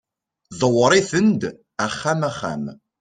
ḍewwer-iten-d axxam axxam